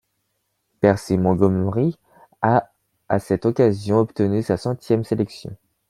Percy Montgomery a à cette occasion obtenu sa centième sélection.